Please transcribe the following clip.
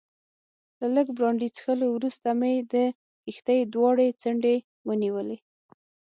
له لږ برانډي څښلو وروسته مې د کښتۍ دواړې څنډې ونیولې.